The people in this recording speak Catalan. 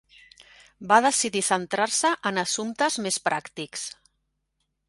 Va decidir centrar-se en assumptes més pràctics.